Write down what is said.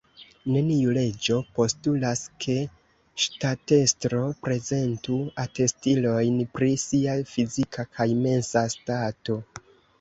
Neniu leĝo postulas, ke ŝtatestro prezentu atestilojn pri sia fizika kaj mensa stato.